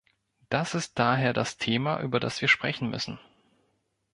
Das ist daher das Thema, über das wir sprechen müssen.